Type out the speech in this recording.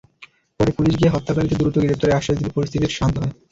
পরে পুলিশ গিয়ে হত্যাকারীদের দ্রুত গ্রেপ্তারের আশ্বাস দিলে পরিস্থিতি শান্ত হয়।